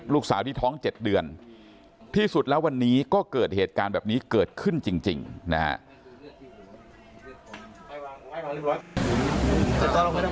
ลูกสาวที่ท้อง๗เดือนที่สุดแล้ววันนี้ก็เกิดเหตุการณ์แบบนี้เกิดขึ้นจริงนะฮะ